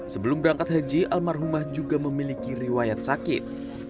sebelum berangkat haji almarhumah juga memiliki riwayat sakit